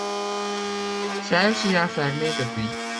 Celle-ci a fermé depuis.